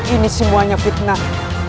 ini semuanya fitnah